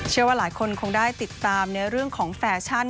เชื่อว่าหลายคนคงได้ติดตามในเรื่องของแฟชั่น